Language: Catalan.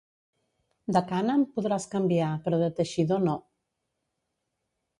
De cànem podràs canviar, però de teixidor no.